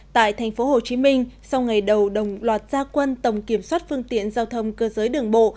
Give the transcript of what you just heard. tại thành phố hồ chí minh sau ngày đầu đồng loạt gia quân tổng kiểm soát phương tiện giao thông cơ giới đường bộ